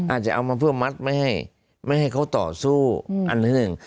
อาจจะเอามาเพื่อมัดไม่ให้เขาต่อสู้อันหนึ่ง